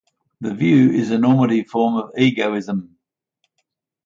The view is a normative form of egoism.